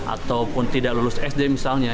ataupun tidak lulus sd misalnya